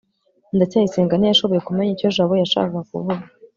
ndacyayisenga ntiyashoboye kumenya icyo jabo yashakaga kuvuga